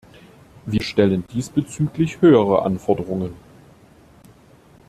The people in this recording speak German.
Wir stellen diesbezüglich höhere Anforderungen.